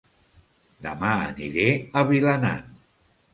Dema aniré a Vilanant